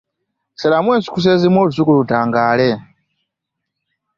Salamu ensukusa ezimu olusuku lutangaale .